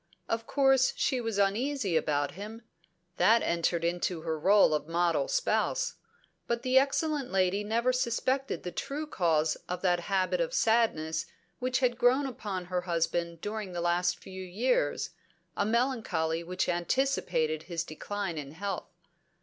Of course she was uneasy about him; that entered into her role of model spouse: but the excellent lady never suspected the true cause of that habit of sadness which had grown upon her husband during the last few years, a melancholy which anticipated his decline in health.